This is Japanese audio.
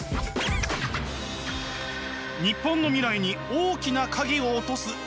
日本の未来に大きな影を落とす少子化！